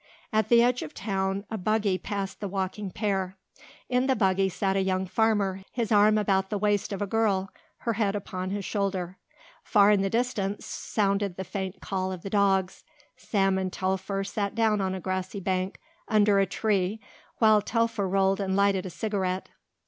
At the edge of town a buggy passed the walking pair. In the buggy sat a young farmer, his arm about the waist of a girl, her head upon his shoulder. Far in the distance sounded the faint call of the dogs. Sam and Telfer sat down on a grassy bank under a tree while Telfer rolled and lighted a cigarette.